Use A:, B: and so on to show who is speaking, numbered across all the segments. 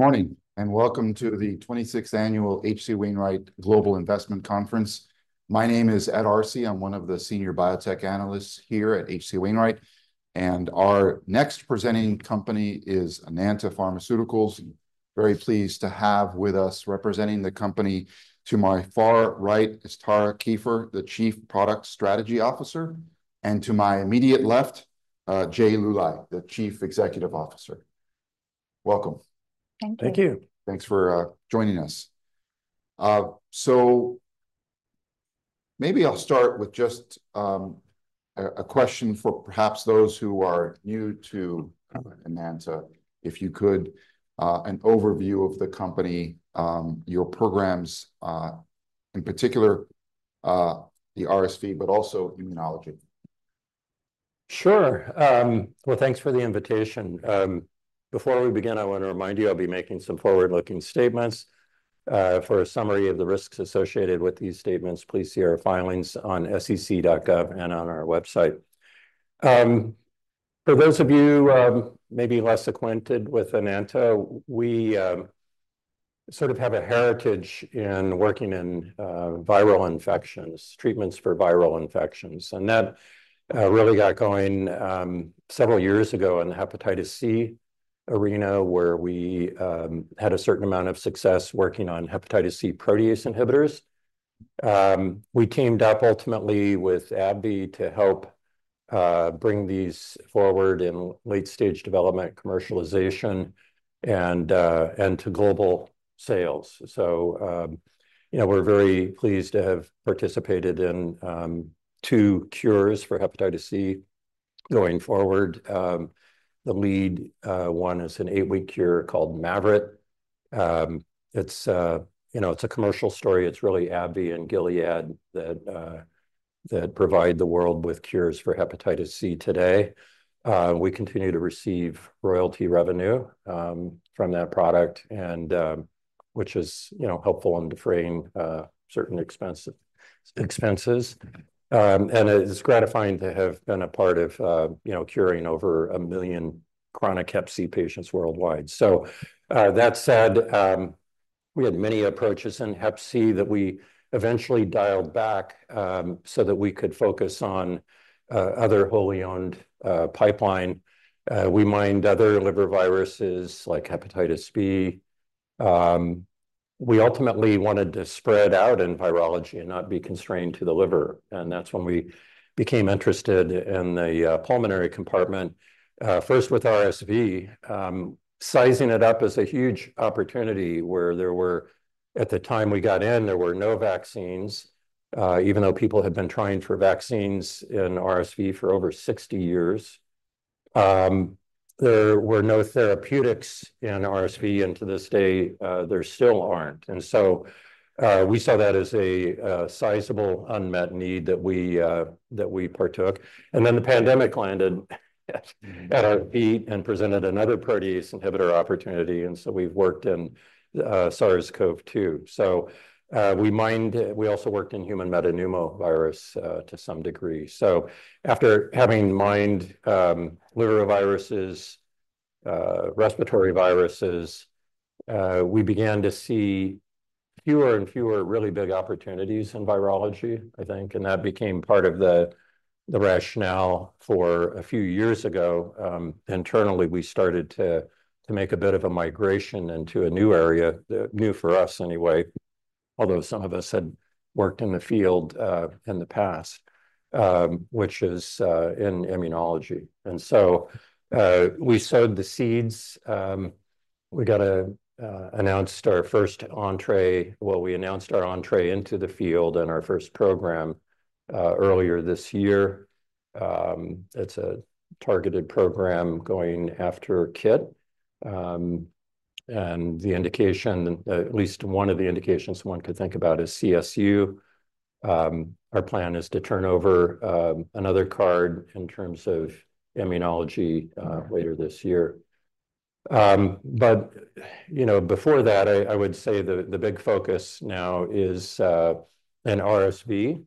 A: Good morning, and welcome to the 26th annual H.C. Wainwright global investment conference. My name is Ed Arce. I'm one of the senior biotech analysts here at H.C. Wainwright, and our next presenting company is Enanta Pharmaceuticals. Very pleased to have with us, representing the company, to my far right is Tara Kieffer, the Chief Product Strategy Officer, and to my immediate left, Jay Luly, the Chief Executive Officer. Welcome.
B: Thank you.
C: Thank you.
A: Thanks for joining us. So maybe I'll start with just a question for perhaps those who are new to Enanta. If you could an overview of the company, your programs, in particular, the RSV, but also immunology.
C: Sure. Well, thanks for the invitation. Before we begin, I want to remind you, I'll be making some forward-looking statements. For a summary of the risks associated with these statements, please see our filings on sec.gov and on our website. For those of you, maybe less acquainted with Enanta, we sort of have a heritage in working in viral infections, treatments for viral infections. And that really got going several years ago in the hepatitis C arena, where we had a certain amount of success working on hepatitis C protease inhibitors. We teamed up ultimately with AbbVie to help bring these forward in late-stage development, commercialization, and to global sales. So, you know, we're very pleased to have participated in two cures for hepatitis C going forward. The lead one is an eight-week cure called Mavyret. It's, you know, it's a commercial story. It's really AbbVie and Gilead that provide the world with cures for hepatitis C today. We continue to receive royalty revenue from that product, and which is, you know, helpful in defraying certain expenses. It is gratifying to have been a part of, you know, curing over a million chronic hep C patients worldwide. That said, we had many approaches in hep C that we eventually dialed back so that we could focus on other wholly owned pipeline. We mined other liver viruses, like hepatitis B. We ultimately wanted to spread out in virology and not be constrained to the liver, and that's when we became interested in the pulmonary compartment first with RSV. Sizing it up as a huge opportunity where there were at the time we got in, there were no vaccines even though people had been trying for vaccines in RSV for over 60 years. There were no therapeutics in RSV, and to this day there still aren't. We saw that as a sizable unmet need that we partook. The pandemic landed at our feet and presented another protease inhibitor opportunity, and so we've worked in SARS-CoV-2. We also worked in human metapneumovirus to some degree. After having mined liver viruses, respiratory viruses, we began to see fewer and fewer really big opportunities in virology, I think, and that became part of the rationale for a few years ago. Internally, we started to make a bit of a migration into a new area, new for us anyway, although some of us had worked in the field in the past, which is in immunology. We sowed the seeds. We got to announced our first entry. Well, we announced our entry into the field and our first program earlier this year. It's a targeted program going after KIT. The indication, at least one of the indications one could think about, is CSU. Our plan is to turn over another card in terms of immunology later this year. But, you know, before that, I would say the big focus now is in RSV.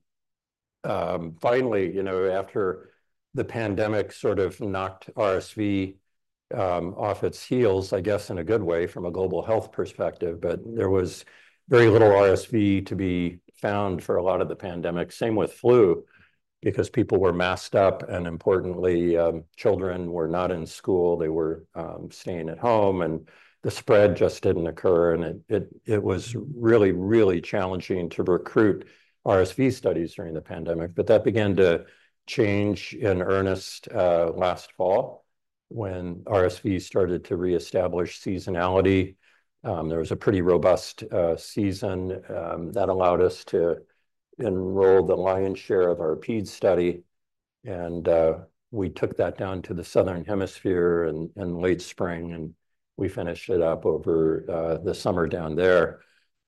C: Finally, you know, after the pandemic sort of knocked RSV off its heels, I guess, in a good way, from a global health perspective, but there was very little RSV to be found for a lot of the pandemic. Same with flu, because people were masked up, and importantly, children were not in school. They were staying at home, and the spread just didn't occur, and it was really, really challenging to recruit RSV studies during the pandemic. But that began to change in earnest last fall, when RSV started to reestablish seasonality. There was a pretty robust season that allowed us to enroll the lion's share of our ped study, and we took that down to the Southern Hemisphere in late spring, and we finished it up over the summer down there.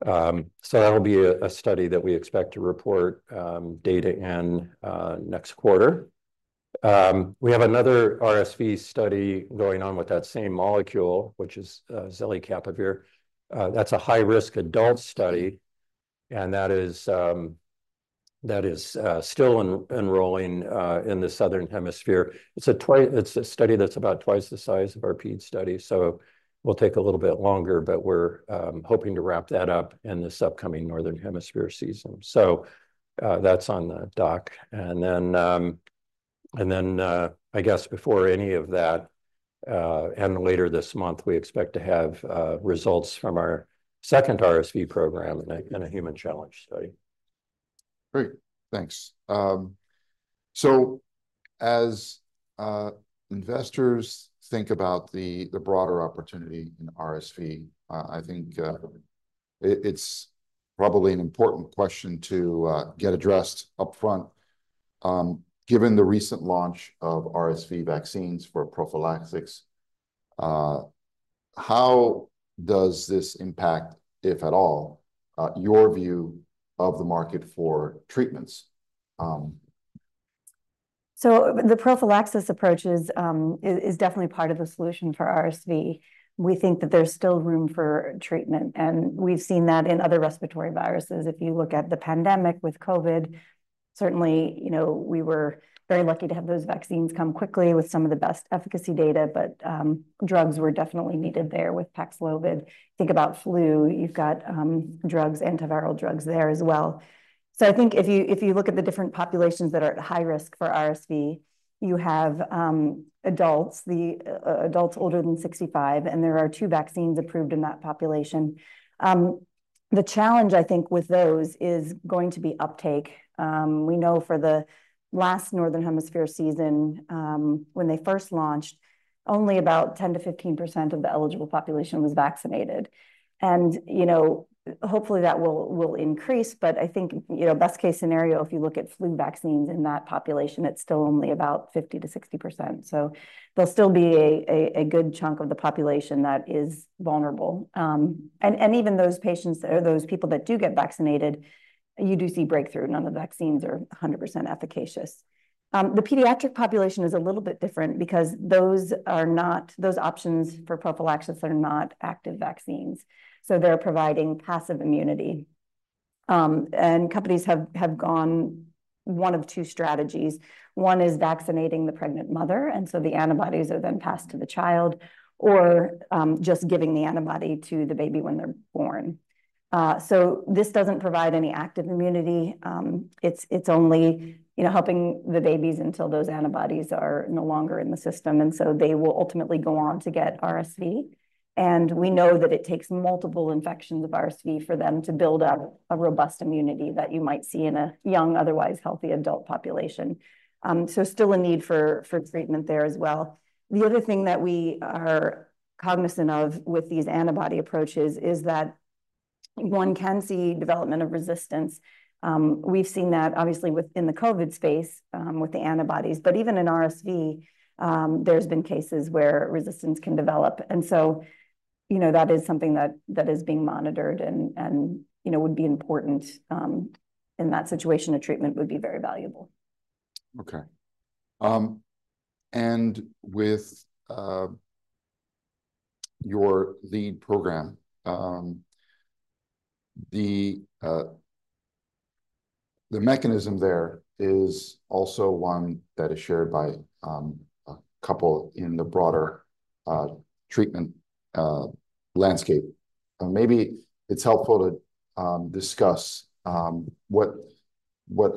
C: So that will be a study that we expect to report data in next quarter. We have another RSV study going on with that same molecule, which is zelicapavir. That's a high-risk adult study, and that is still enrolling in the Southern Hemisphere. It's a study that's about twice the size of our ped study, so will take a little bit longer, but we're hoping to wrap that up in this upcoming Northern Hemisphere season, so that's on the docket. I guess before any of that, and later this month, we expect to have results from our second RSV program in a human challenge study.
A: Great. Thanks. So as investors think about the broader opportunity in RSV, I think it's probably an important question to get addressed upfront. Given the recent launch of RSV vaccines for prophylactics, how does this impact, if at all, your view of the market for treatments?
B: So the prophylaxis approach is definitely part of the solution for RSV. We think that there's still room for treatment, and we've seen that in other respiratory viruses. If you look at the pandemic with COVID, certainly, you know, we were very lucky to have those vaccines come quickly with some of the best efficacy data, but drugs were definitely needed there with Paxlovid. Think about flu, you've got drugs, antiviral drugs there as well. So I think if you look at the different populations that are at high risk for RSV, you have adults older than 65, and there are two vaccines approved in that population. The challenge, I think, with those is going to be uptake. We know for the last Northern Hemisphere season, when they first launched, only about 10%-15% of the eligible population was vaccinated, and you know, hopefully that will increase, but I think, you know, best-case scenario, if you look at flu vaccines in that population, it's still only about 50%-60%, so there'll still be a good chunk of the population that is vulnerable, and even those patients or those people that do get vaccinated, you do see breakthrough. None of the vaccines are 100% efficacious. The pediatric population is a little bit different because those options for prophylaxis are not active vaccines, so they're providing passive immunity, and companies have gone one of two strategies. One is vaccinating the pregnant mother, and so the antibodies are then passed to the child, or just giving the antibody to the baby when they're born. So this doesn't provide any active immunity. It's, it's only, you know, helping the babies until those antibodies are no longer in the system, and so they will ultimately go on to get RSV. We know that it takes multiple infections of RSV for them to build up a robust immunity that you might see in a young, otherwise healthy adult population. So still a need for treatment there as well. The other thing that we are cognizant of with these antibody approaches is that one can see development of resistance. We've seen that obviously with in the COVID space, with the antibodies, but even in RSV, there's been cases where resistance can develop. And so, you know, that is something that is being monitored and, you know, would be important. In that situation, a treatment would be very valuable.
A: Okay. And with your lead program, the mechanism there is also one that is shared by a couple in the broader treatment landscape. Maybe it's helpful to discuss what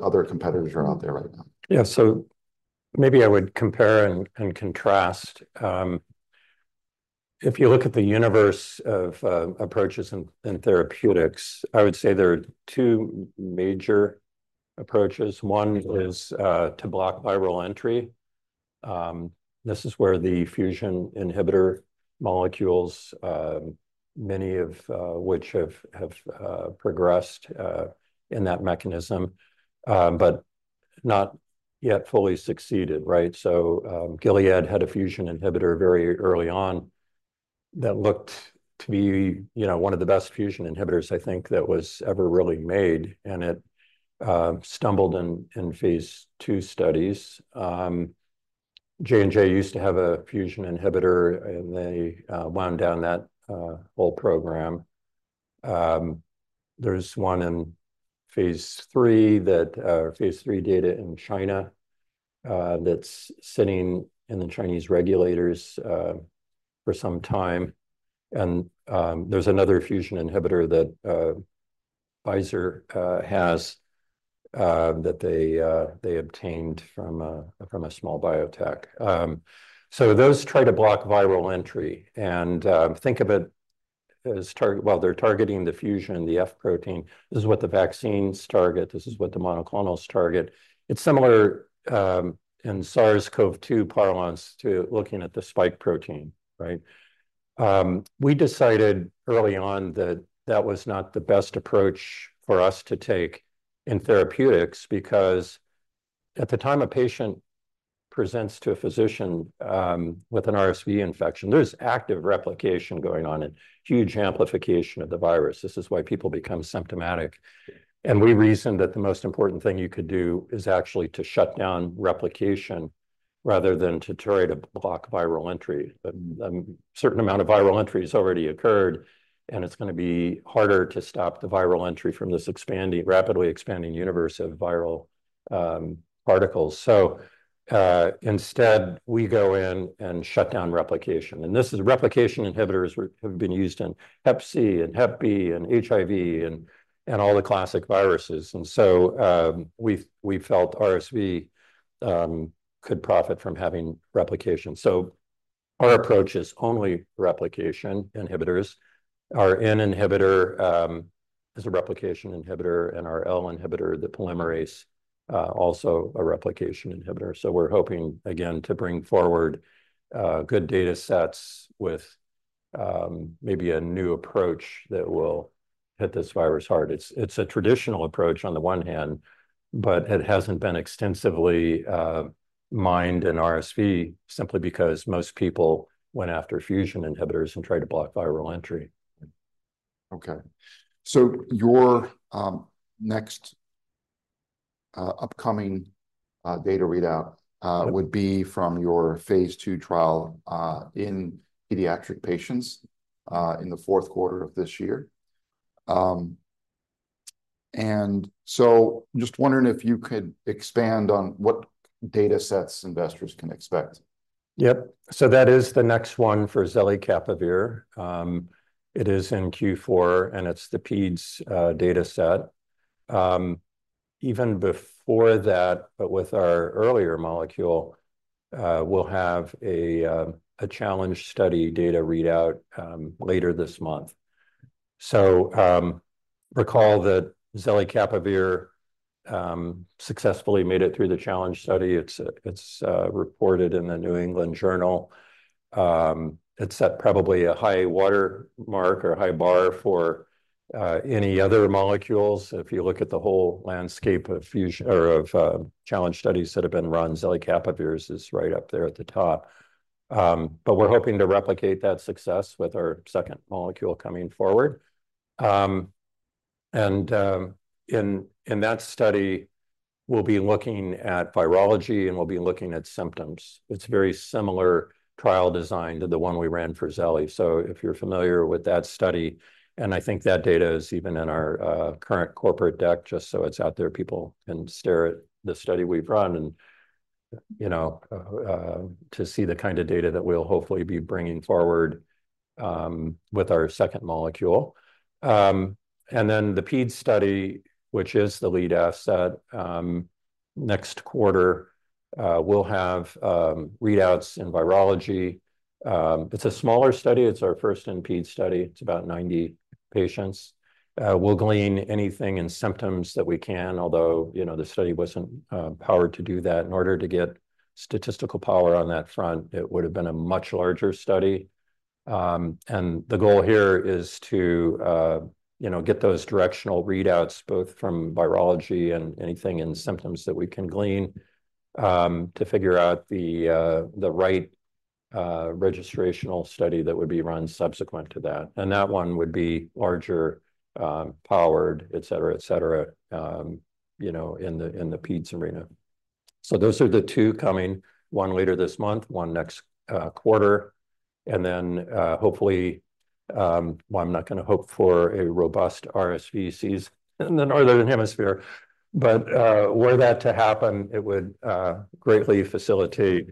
A: other competitors are out there right now.
C: Yeah. So maybe I would compare and contrast. If you look at the universe of approaches and therapeutics, I would say there are two major approaches.
A: Mm-hmm.
C: One is to block viral entry. This is where the fusion inhibitor molecules, many of which have progressed in that mechanism, but not yet fully succeeded, right? So, Gilead had a fusion inhibitor very early on that looked to be, you know, one of the best fusion inhibitors, I think, that was ever really made, and it stumbled in phase two studies. J&J used to have a fusion inhibitor, and they wound down that whole program. There's one in phase three that phase three data in China that's sitting in the Chinese regulators for some time. And there's another fusion inhibitor that Pfizer has that they obtained from a small biotech. So those try to block viral entry, and, think of it as, well, they're targeting the fusion, the F protein. This is what the vaccines target. This is what the monoclonals target. It's similar, in SARS-CoV-2 parlance to looking at the spike protein, right? We decided early on that that was not the best approach for us to take in therapeutics because at the time a patient presents to a physician, with an RSV infection, there's active replication going on and huge amplification of the virus. This is why people become symptomatic, and we reasoned that the most important thing you could do is actually to shut down replication, rather than to try to block viral entry. But, a certain amount of viral entry has already occurred, and it's gonna be harder to stop the viral entry from this expanding, rapidly expanding universe of viral particles. So, instead, we go in and shut down replication, and this is replication inhibitors have been used in hep C, and hep B, and HIV, and all the classic viruses. And so, we felt RSV could profit from having replication. So our approach is only replication inhibitors. Our N inhibitor is a replication inhibitor, and our L inhibitor, the polymerase, also a replication inhibitor. So we're hoping, again, to bring forward good data sets with maybe a new approach that will hit this virus hard. It's a traditional approach on the one hand, but it hasn't been extensively mined in RSV simply because most people went after fusion inhibitors and tried to block viral entry.
A: Okay. So your next upcoming data readout would be from your phase II trial in pediatric patients in the fourth quarter of this year, and so just wondering if you could expand on what data sets investors can expect?
C: Yep. That is the next one for zelicapavir. It is in Q4, and it's the peds data set. Even before that, but with our earlier molecule, we'll have a challenge study data readout later this month. Recall that zelicapavir successfully made it through the challenge study. It's reported in the New England Journal of Medicine. It set probably a high water mark or high bar for any other molecules. If you look at the whole landscape of fusion or of challenge studies that have been run, zelicapavir's is right up there at the top. But we're hoping to replicate that success with our second molecule coming forward. In that study, we'll be looking at virology, and we'll be looking at symptoms. It's a very similar trial design to the one we ran for zeli. So if you're familiar with that study, and I think that data is even in our current corporate deck, just so it's out there, people can stare at the study we've run and, you know, to see the kind of data that we'll hopefully be bringing forward, with our second molecule. And then the peds study, which is the lead asset, next quarter, we'll have readouts in virology. It's a smaller study. It's our first in peds study. It's about 90 patients. We'll glean anything in symptoms that we can, although, you know, the study wasn't powered to do that. In order to get statistical power on that front, it would have been a much larger study. And the goal here is to, you know, get those directional readouts, both from virology and anything in symptoms that we can glean, to figure out the right registrational study that would be run subsequent to that. And that one would be larger, powered, et cetera, et cetera, you know, in the peds arena. So those are the two coming, one later this month, one next quarter. And then, hopefully, well, I'm not gonna hope for a robust RSV season in the northern hemisphere, but were that to happen, it would greatly facilitate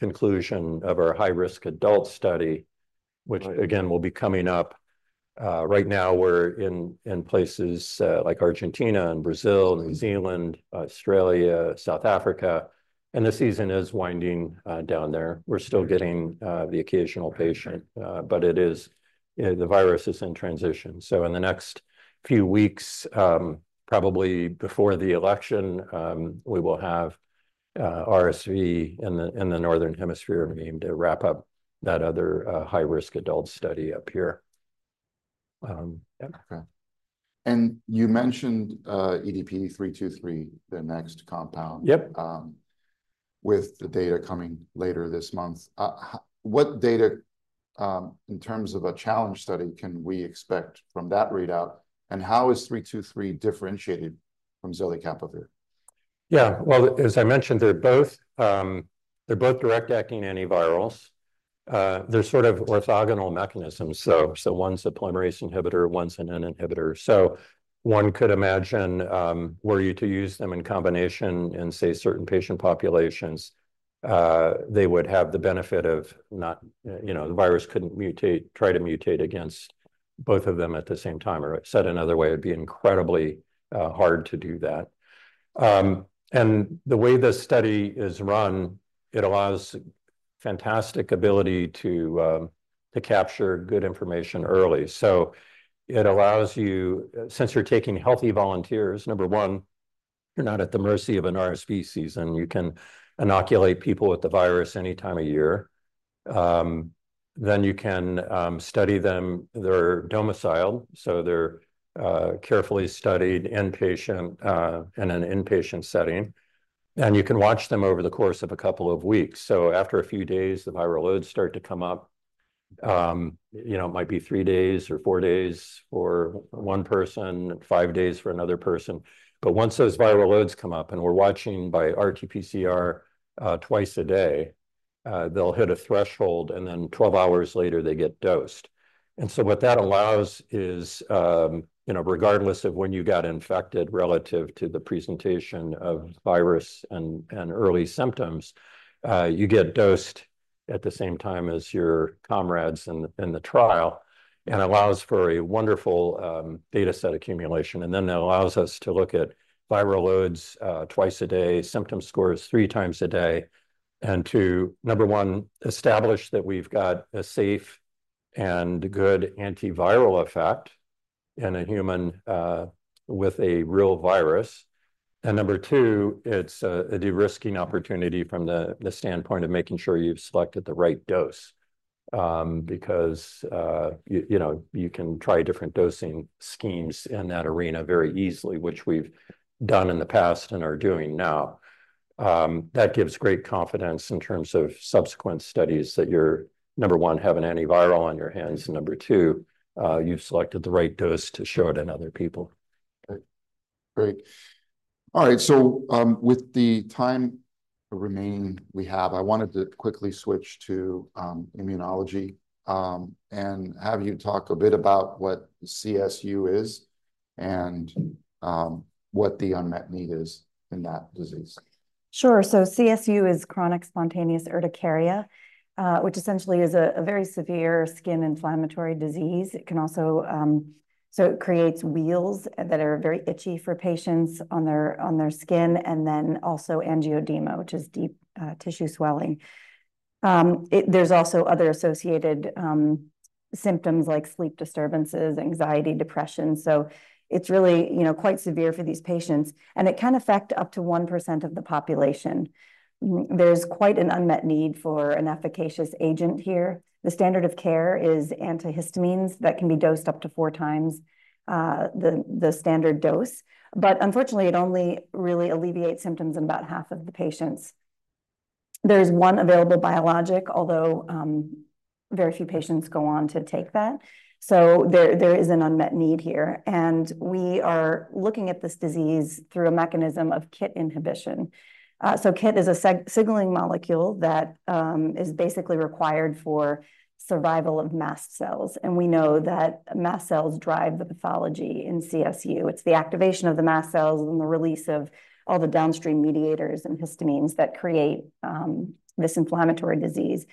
C: conclusion of our high-risk adult study.
A: Right.
C: ...which again, will be coming up. Right now, we're in places like Argentina and Brazil, New Zealand, Australia, South Africa, and the season is winding down there. We're still getting the occasional patient-
A: Right.
C: But it is, the virus is in transition. So in the next few weeks, probably before the election, we will have RSV in the Northern Hemisphere, and we aim to wrap up that other high-risk adult study up here.
A: Yeah. Okay, and you mentioned EDP-323, the next compound.
C: Yep.
A: With the data coming later this month, what data, in terms of a challenge study, can we expect from that readout, and how is 323 differentiated from zelicapavir?
C: Yeah, well, as I mentioned, they're both direct-acting antivirals. They're sort of orthogonal mechanisms. So one's a polymerase inhibitor, one's an N inhibitor. So one could imagine, were you to use them in combination in, say, certain patient populations, they would have the benefit of not... you know, the virus couldn't mutate, try to mutate against both of them at the same time, or said another way, it'd be incredibly hard to do that, and the way this study is run, it allows fantastic ability to capture good information early, so it allows you, since you're taking healthy volunteers, number one, you're not at the mercy of an RSV season. You can inoculate people with the virus any time of year. Then you can study them. They're domiciled, so they're carefully studied in patient, in an inpatient setting, and you can watch them over the course of a couple of weeks. So after a few days, the viral loads start to come up, you know, it might be three days or four days for one person and five days for another person. But once those viral loads come up, and we're watching by RT-PCR, twice a day, they'll hit a threshold, and then 12 hours later, they get dosed. And so what that allows is, you know, regardless of when you got infected relative to the presentation of virus and early symptoms, you get dosed at the same time as your comrades in the trial, and allows for a wonderful data set accumulation. And then that allows us to look at viral loads, twice a day, symptom scores three times a day, and to number one, establish that we've got a safe and good antiviral effect in a human with a real virus. And number two, it's a de-risking opportunity from the standpoint of making sure you've selected the right dose. Because you know, you can try different dosing schemes in that arena very easily, which we've done in the past and are doing now. That gives great confidence in terms of subsequent studies, that you're number one, have an antiviral on your hands, and number two, you've selected the right dose to show it in other people.
A: Great. Great. All right, so, with the time remaining we have, I wanted to quickly switch to, immunology, and have you talk a bit about what CSU is and, what the unmet need is in that disease?
B: Sure. So CSU is chronic spontaneous urticaria, which essentially is a very severe skin inflammatory disease. It can also so it creates wheals that are very itchy for patients on their skin, and then also angioedema, which is deep tissue swelling. There's also other associated symptoms, like sleep disturbances, anxiety, depression, so it's really, you know, quite severe for these patients, and it can affect up to 1% of the population. There's quite an unmet need for an efficacious agent here. The standard of care is antihistamines that can be dosed up to four times the standard dose. But unfortunately, it only really alleviates symptoms in about half of the patients. There's one available biologic, although very few patients go on to take that, so there is an unmet need here. We are looking at this disease through a mechanism of KIT inhibition. So KIT is a signaling molecule that is basically required for survival of mast cells, and we know that mast cells drive the pathology in CSU. It's the activation of the mast cells and the release of all the downstream mediators and histamines that create this inflammatory disease.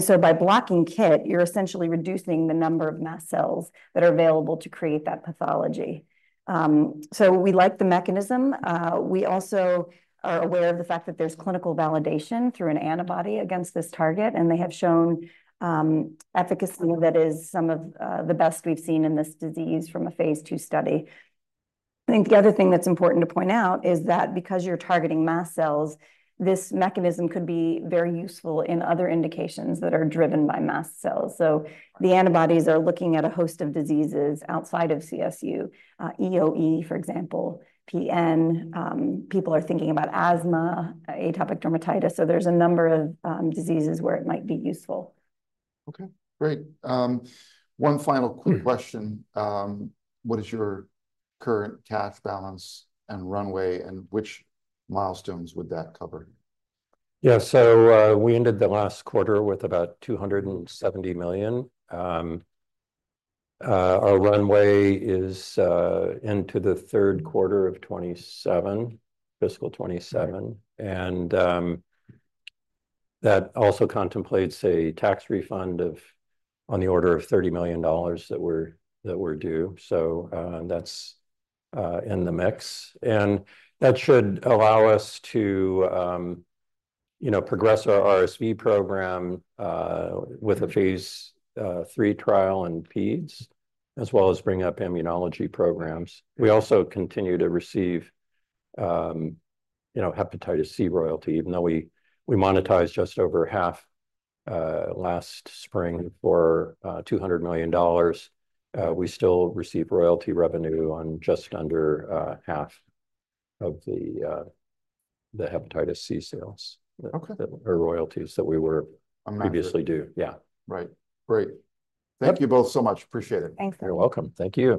B: So by blocking KIT, you're essentially reducing the number of mast cells that are available to create that pathology. So we like the mechanism. We also are aware of the fact that there's clinical validation through an antibody against this target, and they have shown efficacy that is some of the best we've seen in this disease from a phase II study. I think the other thing that's important to point out is that because you're targeting mast cells, this mechanism could be very useful in other indications that are driven by mast cells. So the antibodies are looking at a host of diseases outside of CSU, EoE, for example, PN. People are thinking about asthma, atopic dermatitis, so there's a number of diseases where it might be useful.
A: Okay, great. One final quick question. What is your current cash balance and runway, and which milestones would that cover?
C: Yeah. So, we ended the last quarter with about $270 million. Our runway is into the third quarter of 2027, fiscal 2027. And, that also contemplates a tax refund of on the order of $30 million that we're due. So, that's in the mix. And that should allow us to, you know, progress our RSV program with a phase III trial in peds, as well as bring up immunology programs. We also continue to receive, you know, hepatitis C royalty. Even though we monetized just over half last spring for $200 million, we still receive royalty revenue on just under half of the hepatitis C sales.
A: Okay...
C: or royalties that we were-
A: I'm not-...
C: previously due. Yeah.
A: Right. Great.
C: Yep.
A: Thank you both so much. Appreciate it.
B: Thanks.
C: You're welcome. Thank you.